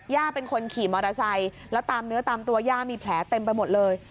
เป็นคนขี่มอเตอร์ไซค์แล้วตามเนื้อตามตัวย่ามีแผลเต็มไปหมดเลย